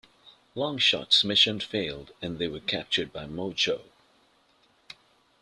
Longshot's mission failed and they were captured by Mojo.